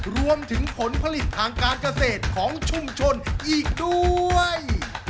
รวมถึงผลผลิตทางการเกษตรของชุมชนอีกด้วย